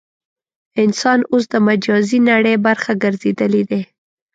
انسان اوس د مجازي نړۍ برخه ګرځېدلی دی.